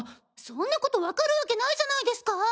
そんなことわかるわけないじゃないですか！